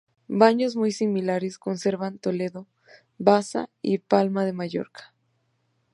Baños muy similares conservan Toledo, Baza y Palma de Mallorca.